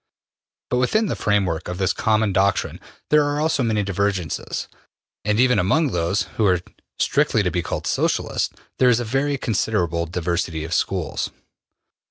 But within the framework of this common doctrine there are many divergences, and even among those who are strictly to be called Socialists, there is a very considerable diversity of schools.